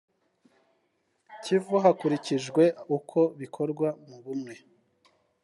kivu hakurikijwe uko bikorwa mu bumwe